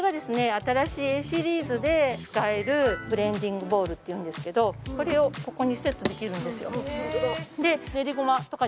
新しいＡシリーズで使えるブレンディングボウルっていうんですけどこれをここにセットできるんですよで